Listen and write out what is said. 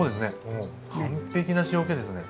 もう完璧な塩けですね。